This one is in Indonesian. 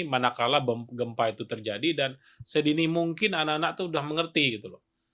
manakala gempa itu terjadi dan sedini mungkin anak anak itu sudah mengerti gitu loh